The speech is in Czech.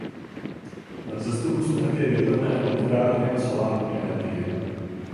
Na vzestupu jsou také větrné elektrárny a solární energie.